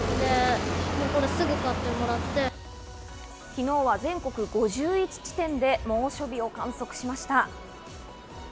昨日は全国５１地点で猛暑日を観測しました。